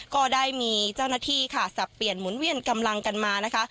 ก็ได้มีเจ้าหน้าที่ค่ะสับเปลี่ยนหมุนเวียนกำลังกันมานะคะ